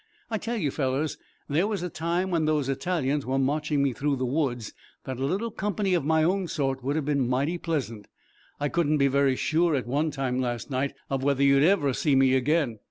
"I tell you, fellows, there was a time, when those Italians were marching me through the woods, that a little company of my own sort would have been mighty pleasant. I couldn't be very sure, at one time last night, of whether you'd ever see me again.